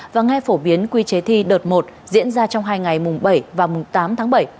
và nghe phổ biến quy chế thi đợt một diễn ra trong hai ngày mùng bảy và mùng tám tháng bảy